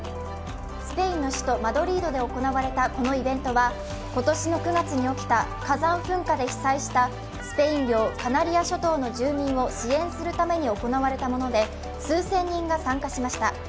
スペインの首都マドリードで行われたこのイベントは今年の９月に起きた火山噴火で被災したスペイン領カナリア諸島の住民を支援するために行われたもので数千人が参加しました。